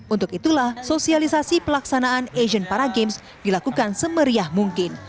untuk itulah sosialisasi pelaksanaan asean paragames dilakukan semeriah mungkin